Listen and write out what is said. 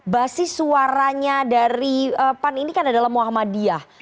basis suaranya dari pan ini kan adalah muhammadiyah